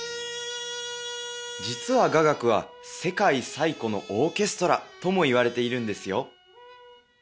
実は雅楽は「世界最古のオーケストラ」ともいわれているんですよ